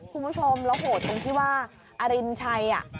คุณผู้ชมแล้วโหดตรงที่ว่าอรินชัย